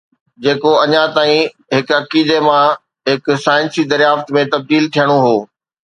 جيڪو اڃا تائين هڪ عقيدي مان هڪ سائنسي دريافت ۾ تبديل ٿيڻو هو.